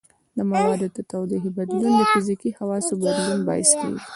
د موادو د تودوخې بدلون د فزیکي خواصو بدلون باعث کیږي.